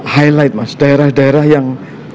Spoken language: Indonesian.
highlight mas daerah daerah yang